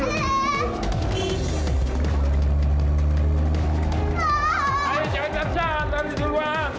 ayo jangan tercantar di duluan